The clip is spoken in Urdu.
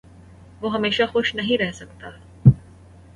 وہ ہمیشہ خوش نہیں رہ سکتا